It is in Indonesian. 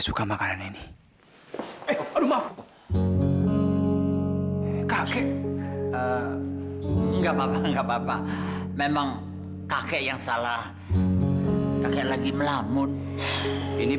sampai jumpa di video selanjutnya